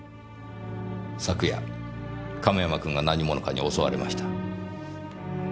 昨夜亀山君が何者かに襲われました。